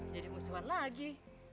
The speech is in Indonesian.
jadi musuhan lagi